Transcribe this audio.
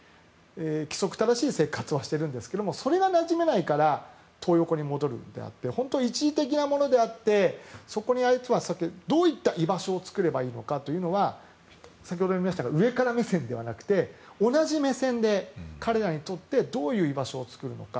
規則正しい生活はしているんですがそれがなじめないからトー横に戻るのであって本当に一時的なものであってどういった居場所を作ればいいのかということは先ほど言いましたが上から目線ではなくて同じ目線で、彼らにとってどういう居場所を作るのか。